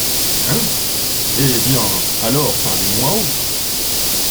Hein !… eh ! bien, alors, parlez moins haut !